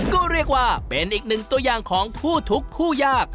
ก็เรียกว่าเป็นอีกหนึ่งตัวอย่างของคู่ทุกคู่ยาก